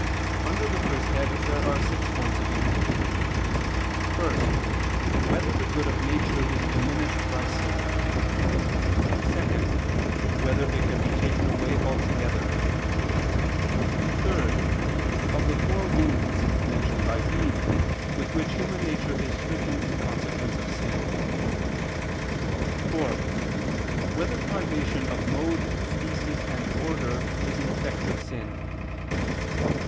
Under the first head there are six points of inquiry: (1) Whether the good of nature is diminished by sin? (2) Whether it can be taken away altogether? (3) Of the four wounds, mentioned by Bede, with which human nature is stricken in consequence of sin. (4) Whether privation of mode, species and order is an effect of sin?